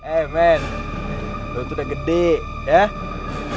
eh men lutu udah gede ya